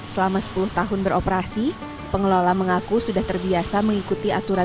selama sepuluh tahun beroperasi pengelola mengaku sudah terbiasa mengikuti aturan